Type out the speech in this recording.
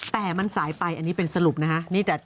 แต่มันสายไปอันนี้เป็นสรุปนะฮะ